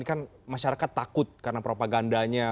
ini kan masyarakat takut karena propagandanya